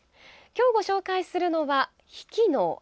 今日ご紹介するのは比企尼。